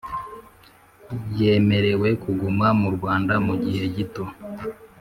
Yemerewe kuguma mu Rwanda mu gihe gito